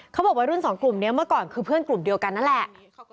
วัยรุ่นสองกลุ่มนี้เมื่อก่อนคือเพื่อนกลุ่มเดียวกันนั่นแหละ